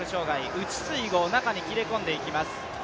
内水濠、中に切れ込んでいきます。